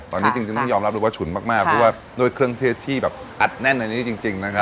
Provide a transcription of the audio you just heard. ตอนนี้จริงต้องยอมรับเลยว่าฉุนมากเพราะว่าด้วยเครื่องเทศที่แบบอัดแน่นอันนี้จริงนะครับ